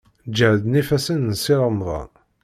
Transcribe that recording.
Ǧehden ifassen n Si Remḍan.